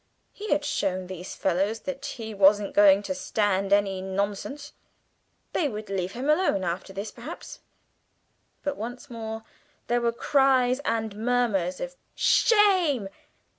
He had shown these fellows that he wasn't going to stand any nonsense. They would leave him alone after this, perhaps. But once more there were cries and murmurs of "Shame!"